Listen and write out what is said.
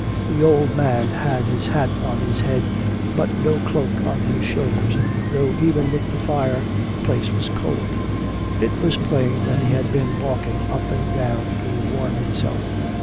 The old man had his hat on his head, but no cloak on his shoulders, though even with the fire the place was cold. It was plain that he had been walking up and down to warm himself.